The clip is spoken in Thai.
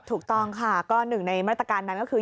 ถูกต้องค่ะก็หนึ่งในมาตรการนั้นก็คือ